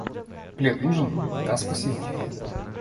«Плед нужен?» — «Да, спасибо».